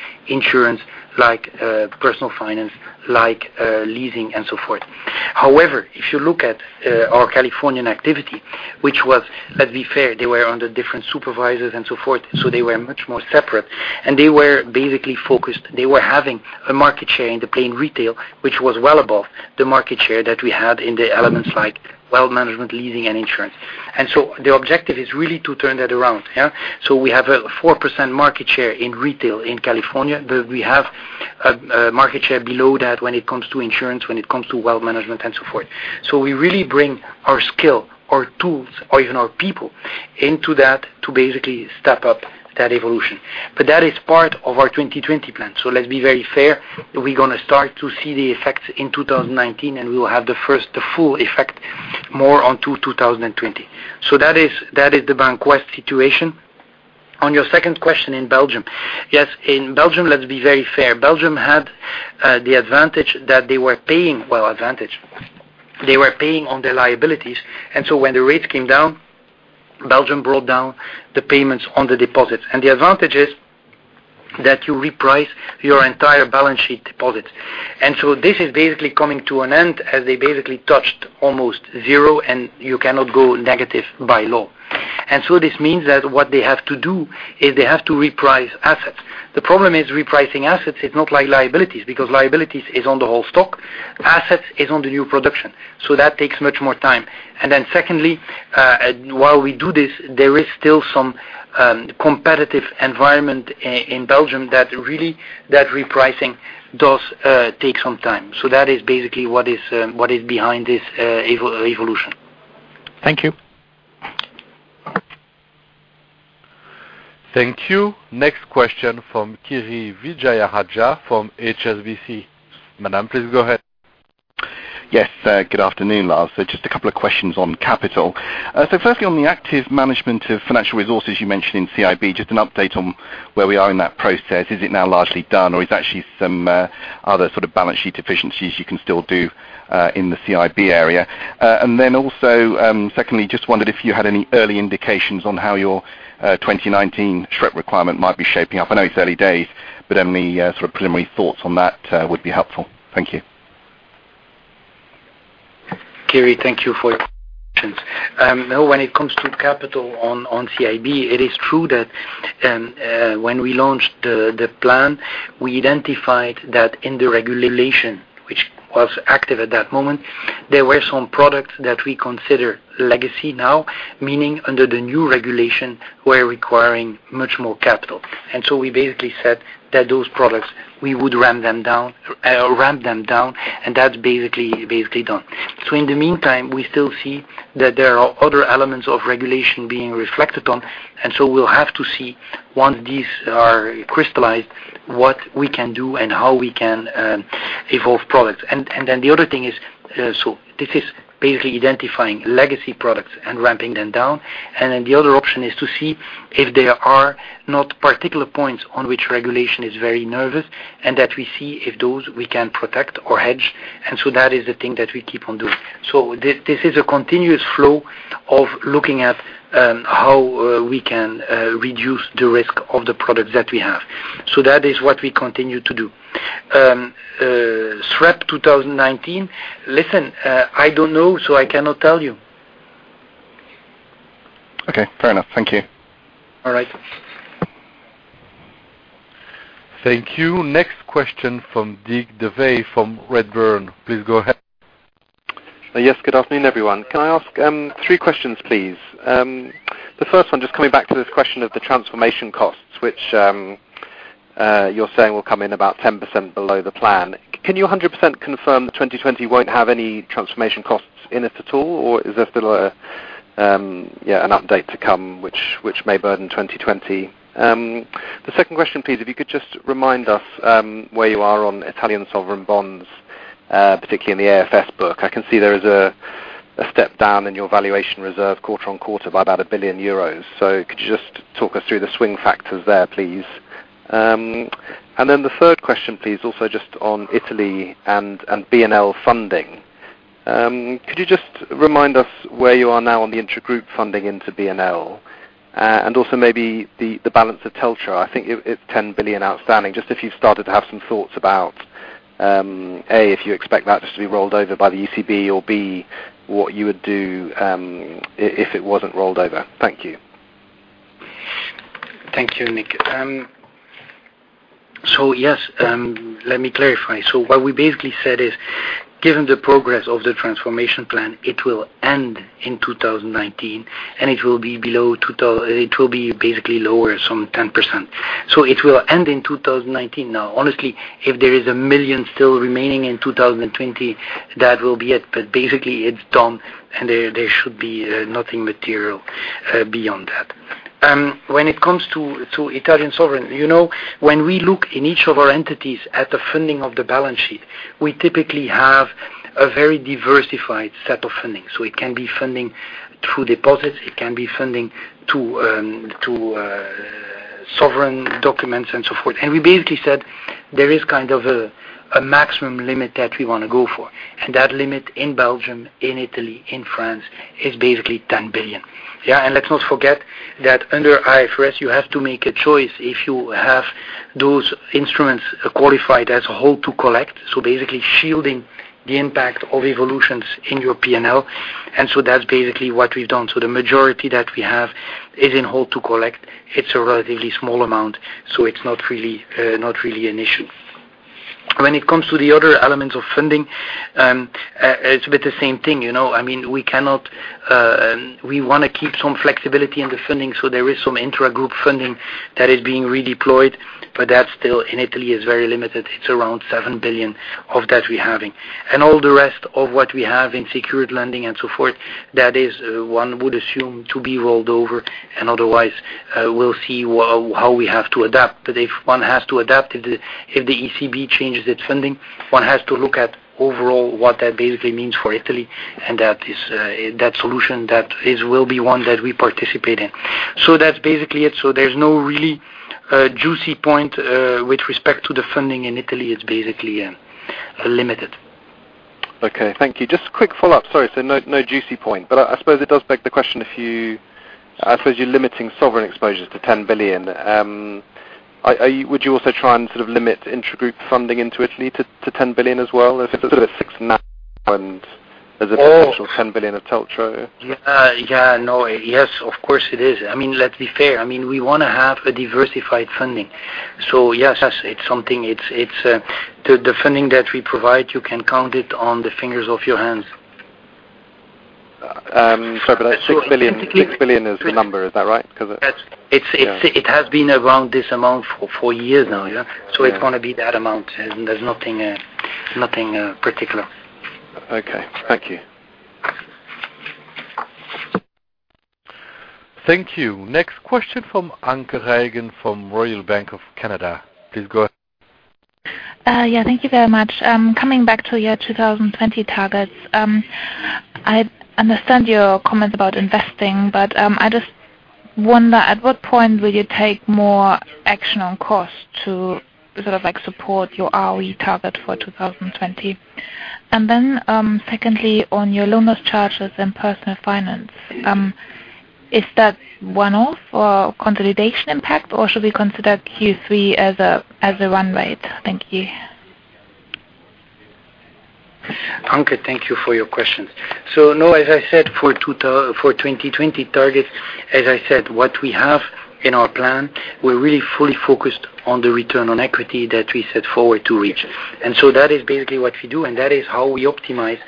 insurance, like personal finance, like leasing, and so forth. However, if you look at our Californian activity, which was, let's be fair, they were under different supervisors and so forth, so they were much more separate, and they were basically focused. They were having a market share in the plain retail, which was well above the market share that we had in the elements like wealth management, leasing, and insurance. The objective is really to turn that around. We have a 4% market share in retail in California, but we have a market share below that when it comes to insurance, when it comes to wealth management and so forth. We really bring our skill, our tools, or even our people into that to basically step up that evolution. That is part of our 2020 plan. Let's be very fair, that we're going to start to see the effects in 2019, and we will have the first, the full effect more on to 2020. That is the BancWest situation. On your second question in Belgium. Yes. In Belgium, let's be very fair. Belgium had the advantage that they were paying Well, advantage. They were paying on their liabilities, and so when the rates came down, Belgium brought down the payments on the deposits. The advantage is that you reprice your entire balance sheet deposit. This is basically coming to an end as they basically touched almost zero, and you cannot go negative by law. This means that what they have to do is they have to reprice assets. The problem is repricing assets is not like liabilities, because liabilities is on the whole stock. Assets is on the new production. That takes much more time. Secondly, while we do this, there is still some competitive environment in Belgium that really that repricing does take some time. That is basically what is behind this evolution. Thank you. Thank you. Next question from Kirishanthan Vijayarajah from HSBC. Madam, please go ahead. Yes. Good afternoon, Lars. Just a couple of questions on capital. Firstly, on the active management of financial resources you mentioned in CIB, just an update on where we are in that process. Is it now largely done, or is there actually some other sort of balance sheet efficiencies you can still do in the CIB area? Also, secondly, just wondered if you had any early indications on how your 2019 SREP requirement might be shaping up. I know it's early days, but any sort of preliminary thoughts on that would be helpful. Thank you. Kiri, thank you for your questions. When it comes to capital on CIB, it is true that when we launched the plan, we identified that in the regulation which was active at that moment, there were some products that we consider legacy now, meaning under the new regulation, we're requiring much more capital. We basically said that those products, we would ramp them down, and that's basically done. In the meantime, we still see that there are other elements of regulation being reflected on, and so we'll have to see once these are crystallized, what we can do and how we can evolve products. The other thing is, so this is basically identifying legacy products and ramping them down. The other option is to see if there are not particular points on which regulation is very nervous, and that we see if those we can protect or hedge. That is the thing that we keep on doing. This is a continuous flow of looking at how we can reduce the risk of the products that we have. That is what we continue to do. SREP 2019. Listen, I don't know, so I cannot tell you. Okay. Fair enough. Thank you. All right. Thank you. Next question from Nick Davey from Redburn. Please go ahead. Yes. Good afternoon, everyone. Can I ask three questions, please? The first one, just coming back to this question of the transformation costs, which you're saying will come in about 10% below the plan. Can you 100% confirm that 2020 won't have any transformation costs in it at all, or is there still an update to come which may burden 2020? The second question, please, if you could just remind us where you are on Italian sovereign bonds, particularly in the AFS book. I can see there is a step down in your valuation reserve quarter-on-quarter by about 1 billion euros. Could you just talk us through the swing factors there, please? The third question, please, also just on Italy and BNL funding. Could you just remind us where you are now on the intragroup funding into BNL? The balance of TLTRO. I think it's 10 billion outstanding. Just if you've started to have some thoughts about, A, if you expect that just to be rolled over by the ECB, or B, what you would do if it wasn't rolled over. Thank you. Thank you, Nick. Yes, let me clarify. What we basically said is, given the progress of the transformation plan, it will end in 2019, and it will be basically lower some 10%. It will end in 2019. Now, honestly, if there is 1 million still remaining in 2020, that will be it. Basically, it's done, and there should be nothing material beyond that. When it comes to Italian sovereign, when we look in each of our entities at the funding of the balance sheet, we typically have a very diversified set of funding. It can be funding through deposits, it can be funding to sovereign bonds and so forth. We basically said there is kind of a maximum limit that we want to go for. That limit in Belgium, in Italy, in France, is basically 10 billion. Let's not forget that under IFRS, you have to make a choice if you have those instruments qualified as a hold to collect, so basically shielding the impact of evolutions in your P&L. That's basically what we've done. The majority that we have is in hold to collect. It's a relatively small amount, so it's not really an issue. When it comes to the other elements of funding, it's a bit the same thing. We want to keep some flexibility in the funding, so there is some intragroup funding that is being redeployed, but that still in Italy is very limited. It's around 7 billion of that we're having. All the rest of what we have in secured lending and so forth, that is, one would assume to be rolled over, and otherwise, we'll see how we have to adapt. If one has to adapt, if the ECB changes its funding, one has to look at overall what that basically means for Italy, and that solution, that will be one that we participate in. That's basically it. There's no really juicy point with respect to the funding in Italy. It's basically limited. Okay. Thank you. Just a quick follow-up. Sorry, no juicy point, but I suppose it does beg the question, I suppose you're limiting sovereign exposures to 10 billion. Would you also try and sort of limit intragroup funding into Italy to 10 billion as well? If it's sort of a six and there's a potential 10 billion of TLTRO. Yes, of course, it is. Let's be fair. We want to have a diversified funding. Yes, the funding that we provide, you can count it on the fingers of your hands. Sorry, that 6 billion is the number. Is that right? Because it- It has been around this amount for four years now. It's going to be that amount, and there's nothing particular. Okay. Thank you. Thank you. Next question from Anke Reingen from Royal Bank of Canada. Please go ahead. Yeah. Thank you very much. Coming back to your 2020 targets. I understand your comments about investing, but I just wonder at what point will you take more action on cost to sort of support your ROE target for 2020? Secondly, on your loan loss charges and Personal Finance. Is that one-off or consolidation impact, or should we consider Q3 as a run rate? Thank you. Anke, thank you for your question. No, as I said, for 2020 targets, as I said, what we have in our plan, we are really fully focused on the return on equity that we set forward to reach. That is basically what we do, and that is how we optimize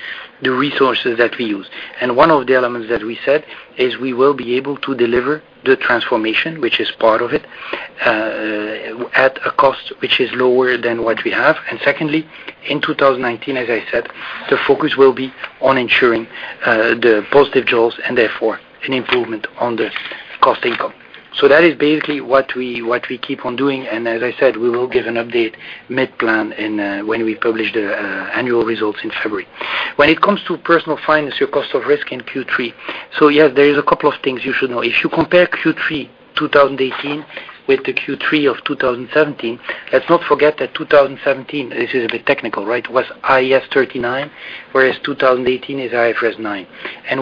the resources that we use. One of the elements that we said is we will be able to deliver the transformation, which is part of it, at a cost which is lower than what we have. Secondly, in 2019, as I said, the focus will be on ensuring the positive jaws and therefore an improvement on the cost-income. That is basically what we keep on doing, and as I said, we will give an update mid-plan and when we publish the annual results in February. When it comes to Personal Finance, your cost of risk in Q3. Yeah, there is a couple of things you should know. If you compare Q3 2018 with the Q3 of 2017, let's not forget that 2017, this is a bit technical, was IAS 39, whereas 2018 is IFRS 9.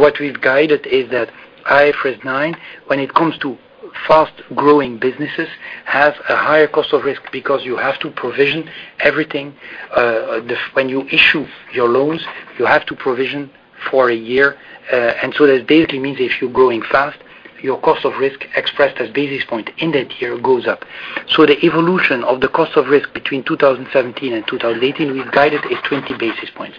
What we've guided is that IFRS 9, when it comes to fast-growing businesses, have a higher cost of risk because you have to provision everything. When you issue your loans, you have to provision for one year. That basically means if you are growing fast, your cost of risk expressed as basis points in that year goes up. The evolution of the cost of risk between 2017 and 2018, we've guided is 20 basis points.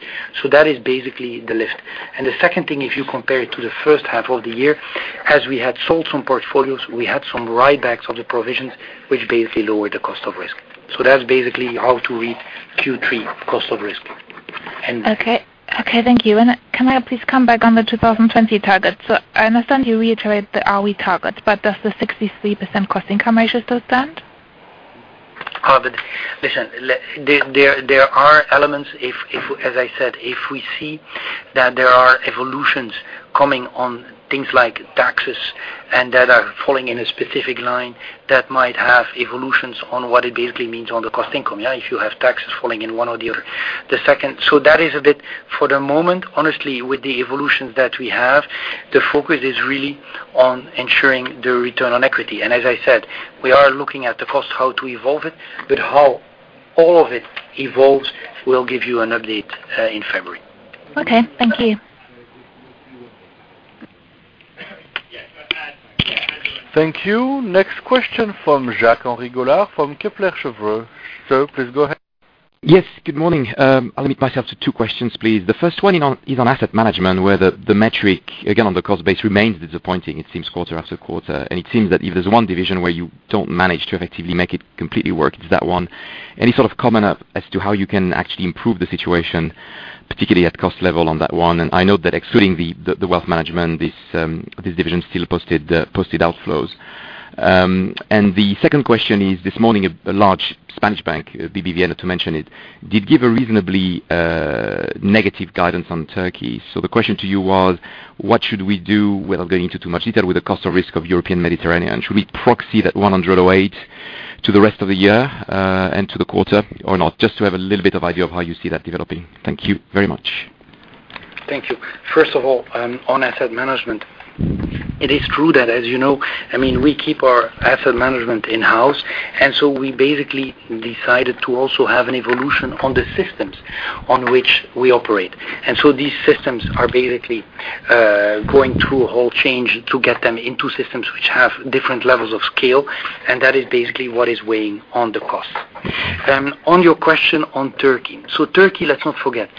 That is basically the lift. The second thing, if you compare it to the first half of the year, as we had sold some portfolios, we had some write-backs of the provisions, which basically lowered the cost of risk. That's basically how to read Q3 cost of risk. Okay. Thank you. Can I please come back on the 2020 target? I understand you reiterate the ROE target, does the 63% cost-income ratio still stand? Listen, there are elements, as I said, if we see that there are evolutions coming on things like taxes and that are falling in a specific line, that might have evolutions on what it basically means on the cost income. If you have taxes falling in one or the other. For the moment, honestly, with the evolutions that we have, the focus is really on ensuring the return on equity. As I said, we are looking at the cost, how to evolve it, but how all of it evolves, we will give you an update in February. Okay. Thank you. Thank you. Next question from Jacques-Henri Gaulard from Kepler Cheuvreux. Please go ahead. Yes, good morning. I will limit myself to two questions, please. The first one is on asset management, where the metric, again, on the cost base remains disappointing, it seems, quarter after quarter. It seems that if there is one division where you do not manage to effectively make it completely work, it is that one. Any sort of comment as to how you can actually improve the situation, particularly at cost level on that one? I know that excluding the wealth management, this division still posted outflows. The second question is, this morning, a large Spanish bank, BBVA, not to mention it, did give a reasonably negative guidance on Turkey. The question to you was, what should we do without going into too much detail with the cost of risk of Europe-Mediterranean? Should we proxy that 108 to the rest of the year and to the quarter or not? Just to have a little bit of idea of how you see that developing. Thank you very much. Thank you. First of all, on asset management, it is true that, as you know, we keep our asset management in-house. We basically decided to also have an evolution on the systems on which we operate. These systems are basically going through a whole change to get them into systems which have different levels of scale, and that is basically what is weighing on the cost. On your question on Turkey. Turkey, let's not forget.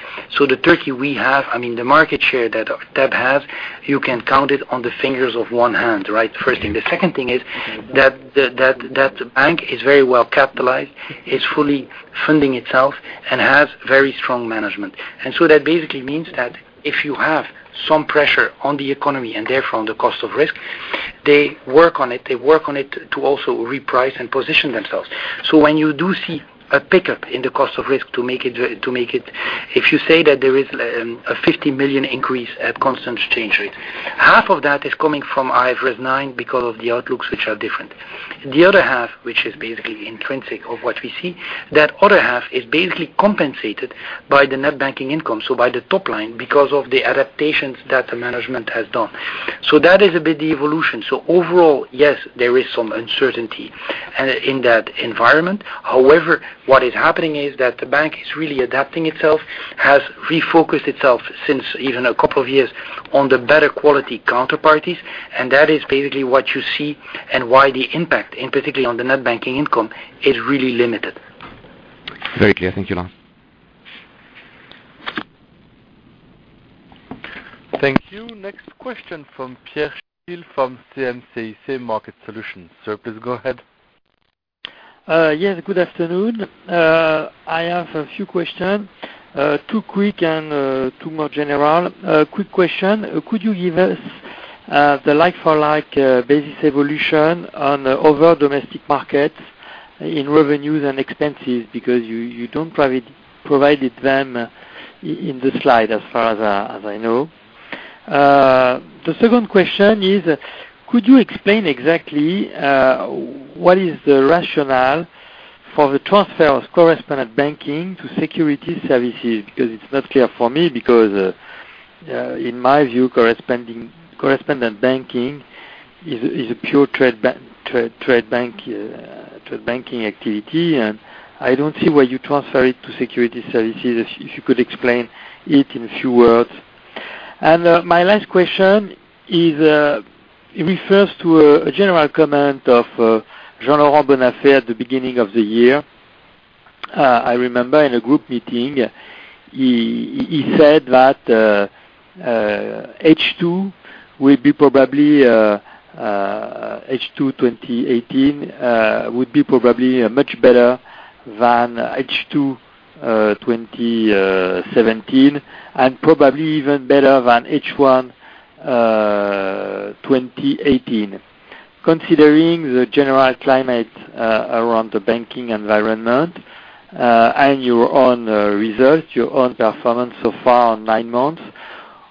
The Turkey we have, the market share that that has, you can count it on the fingers of one hand, right? First thing. The second thing is that the bank is very well capitalized, it's fully funding itself, and has very strong management. That basically means that if you have some pressure on the economy, and therefore on the cost of risk, they work on it. They work on it to also reprice and position themselves. When you do see a pickup in the cost of risk, if you say that there is a 50 million increase at constant exchange rate, half of that is coming from IFRS 9 because of the outlooks, which are different. The other half, which is basically intrinsic of what we see, that other half is basically compensated by the net banking income, so by the top line, because of the adaptations that the management has done. That is a bit the evolution. Overall, yes, there is some uncertainty in that environment. However, what is happening is that the bank is really adapting itself, has refocused itself since even a couple of years on the better quality counterparties, and that is basically what you see and why the impact, and particularly on the net banking income, is really limited. Very clear. Thank you, Lars. Thank you. Next question from Pierre Chédeville from CIC Market Solutions. Sir, please go ahead. Yes, good afternoon. I have a few questions, two quick and two more general. Quick question, could you give us the like-for-like basis evolution on other Domestic Markets in revenues and expenses, because you don't provide them in the slide as far as I know. The second question is, could you explain exactly what is the rationale for the transfer of correspondent banking to Securities Services? Because it's not clear for me, because in my view, correspondent banking is a pure trade banking activity, and I don't see why you transfer it to Securities Services. If you could explain it in a few words. My last question, it refers to a general comment of Jean-Laurent Bonnafé at the beginning of the year. I remember in a group meeting, he said that H2 2018 would be probably much better than H2 2017, and probably even better than H1 2018. Considering the general climate around the banking environment, your own results, your own performance so far on nine months,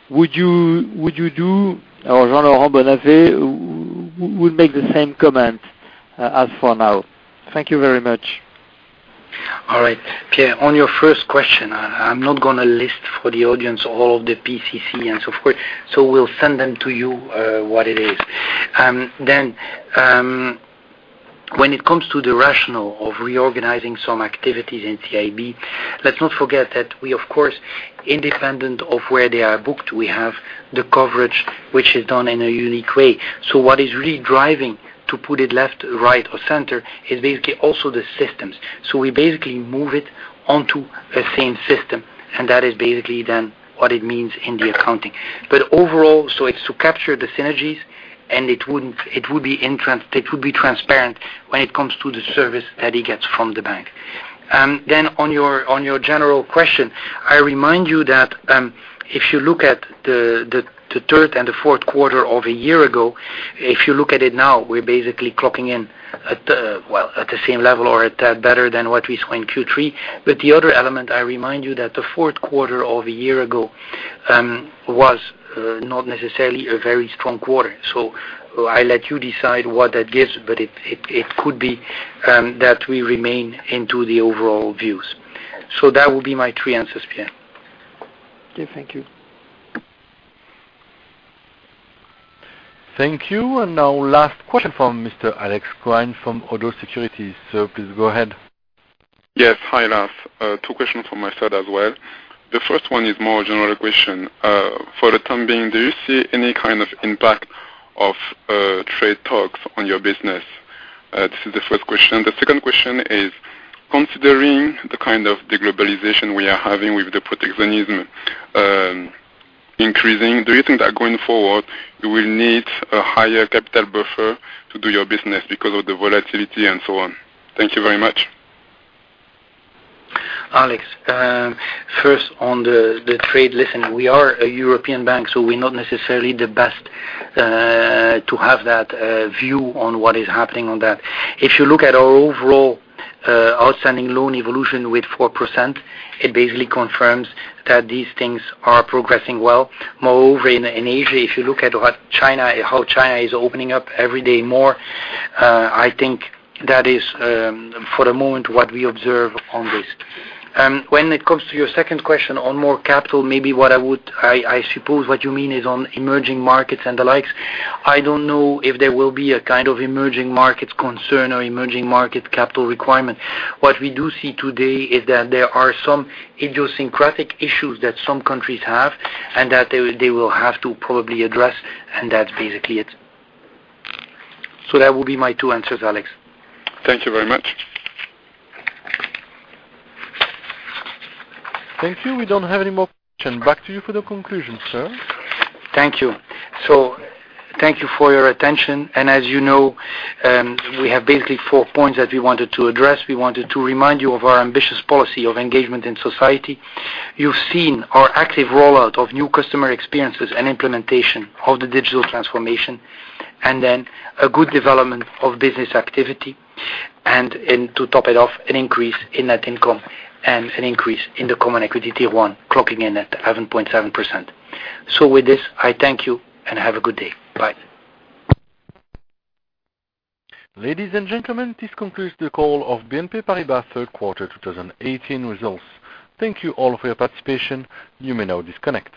would you do, or Jean-Laurent Bonnafé will make the same comment as for now? Thank you very much. All right. Pierre, on your first question, I'm not going to list for the audience all of the PCC and so forth, we'll send them to you what it is. When it comes to the rationale of reorganizing some activities in CIB, let's not forget that we, of course, independent of where they are booked, we have the coverage, which is done in a unique way. What is really driving to put it left, right, or center is basically also the systems. We basically move it onto the same system, and that is basically then what it means in the accounting. Overall, it's to capture the synergies, and it would be transparent when it comes to the service that he gets from the bank. On your general question, I remind you that if you look at the third and the fourth quarter of a year ago, if you look at it now, we're basically clocking in at the same level or at better than what we saw in Q3. The other element, I remind you that the fourth quarter of a year ago was not necessarily a very strong quarter. I let you decide what that gives, but it could be that we remain into the overall views. That would be my three answers, Pierre. Okay. Thank you. Thank you. Now our last question from Mr. Alexandre Koen from ODDO BHF. Sir, please go ahead. Yes. Hi, Lars. Two questions from my side as well. The first one is more general question. For the time being, do you see any kind of impact of trade talks on your business? This is the first question. The second question is, considering the kind of de-globalization we are having with the protectionism increasing, do you think that going forward, you will need a higher capital buffer to do your business because of the volatility and so on? Thank you very much. Alex, first on the trade. Listen, we are a European bank, we're not necessarily the best to have that view on what is happening on that. If you look at our overall outstanding loan evolution with 4%, it basically confirms that these things are progressing well. Moreover, in Asia, if you look at how China is opening up every day more, I think that is, for the moment, what we observe on this. When it comes to your second question on more capital, maybe I suppose what you mean is on emerging markets and the likes. I don't know if there will be a kind of emerging markets concern or emerging market capital requirement. What we do see today is that there are some idiosyncratic issues that some countries have, and that they will have to probably address, and that's basically it. That would be my two answers, Alex. Thank you very much. Thank you. We don't have any more questions. Back to you for the conclusion, sir. Thank you. Thank you for your attention. As you know, we have basically four points that we wanted to address. We wanted to remind you of our ambitious policy of engagement in society. You've seen our active rollout of new customer experiences and implementation of the digital transformation, a good development of business activity. To top it off, an increase in net income and an increase in the Common Equity Tier 1 clocking in at 7.7%. With this, I thank you and have a good day. Bye. Ladies and gentlemen, this concludes the call of BNP Paribas third quarter 2018 results. Thank you all for your participation. You may now disconnect.